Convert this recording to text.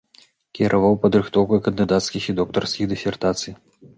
Кіраваў падрыхтоўкай кандыдацкіх і доктарскіх дысертацый.